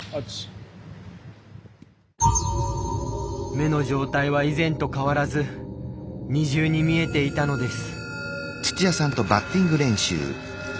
目の状態は以前と変わらず二重に見えていたのです。